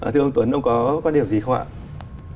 thưa ông tuấn ông có quan điểm gì không ạ